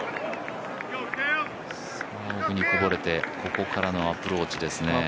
奥にこぼれて、ここからのアプローチですね。